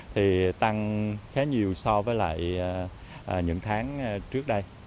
thì tăng khá nhiều so với lại những tháng trước đây